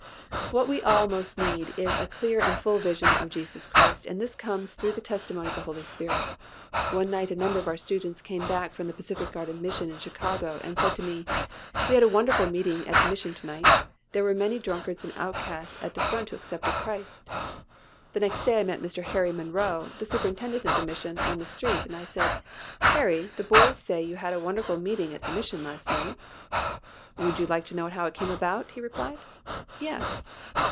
What we all most need is a clear and full vision of Jesus Christ and this comes through the testimony of the Holy Spirit. One night a number of our students came back from the Pacific Garden Mission in Chicago and said to me, "We had a wonderful meeting at the mission to night. There were many drunkards and outcasts at the front who accepted Christ." The next day I met Mr. Harry Monroe, the superintendent of the mission, on the street, and I said, "Harry, the boys say you had a wonderful meeting at the mission last night." "Would you like to know how it came about?" he replied. "Yes."